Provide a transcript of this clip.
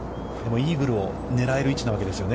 イーグルを狙える位置なわけですよね。